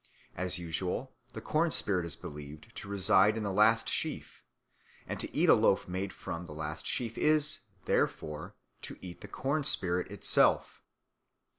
As usual, the corn spirit is believed to reside in the last sheaf; and to eat a loaf made from the last sheaf is, therefore, to eat the corn spirit itself.